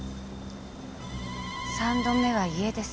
三度目は家です。